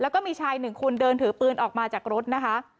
แล้วก็มีชายหนึ่งคนเดินถือปืนออกมาจากรถนะคะ